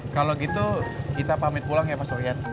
kalau gitu kita pamit pulang ya pak sofian